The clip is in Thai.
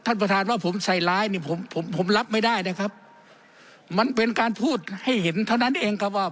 ท่านประธานว่าผมใส่ร้ายเนี่ยผมผมรับไม่ได้นะครับมันเป็นการพูดให้เห็นเท่านั้นเองครับว่า